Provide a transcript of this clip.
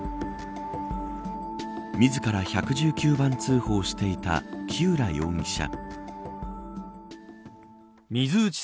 自ら１１９番通報していた木浦容疑者。